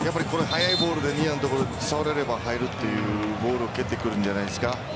速いボールをニアの所触れれば入るというボールを蹴ってくるんじゃないですか。